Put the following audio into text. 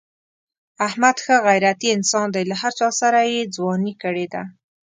احمد ښه غیرتی انسان دی. له هر چاسره یې ځواني کړې ده.